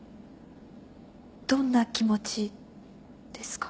どんな気持ちですか。